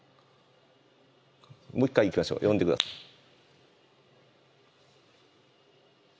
もう一回いきましょう呼んで下さい。